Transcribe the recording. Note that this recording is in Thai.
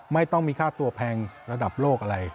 ไม่ต้องมีค่าตัวแพงระดับโลกอะไร